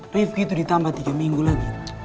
rifki itu ditambah tiga minggu lagi